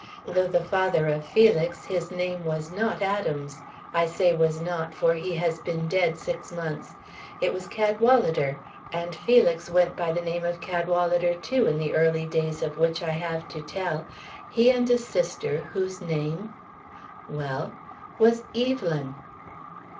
Though the father of Felix, his name was not Adams. I say was not, for he has been dead six months. It was Cadwalader. And Felix went by the name of Cadwalader, too, in the early days of which I have to tell, he and a sister whose name " "Well?" "Was Evelyn."